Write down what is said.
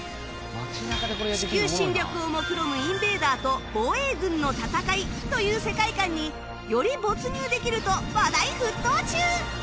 地球侵略をもくろむインベーダーと防衛軍の戦いという世界観により没入できると話題沸騰中！